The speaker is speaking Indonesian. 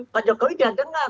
pak jokowi dia dengar